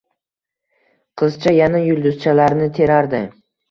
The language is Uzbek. Qizcha yana yulduzchalarni terardi